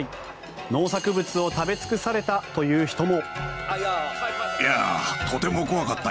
農作物を食べ尽くされたという人も。